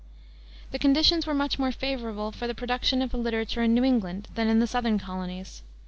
The conditions were much more favorable for the production of a literature in New England than in the southern colonies.